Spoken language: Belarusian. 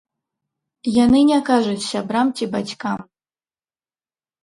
Яны не кажуць сябрам ці бацькам.